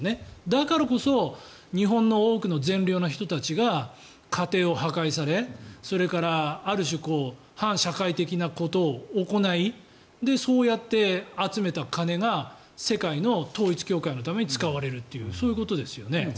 だからこそ日本の多くの善良な人たちが家庭を破壊され、それからある種、反社会的なことを行いそうやって集めた金が世界の統一教会のために使われるというそういうことですね。